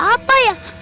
suara apa ya